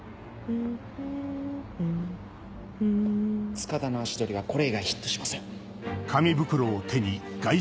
塚田の足取りはこれ以外ヒットしません。